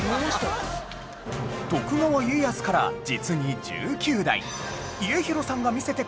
徳川家康から実に１９代